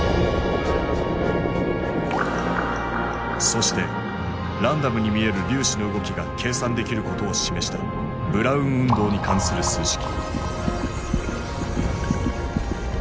そしてランダムに見える粒子の動きが計算できることを示したブラウン運動に関する数式。